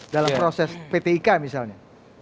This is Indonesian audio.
dalam proses pt ika misalnya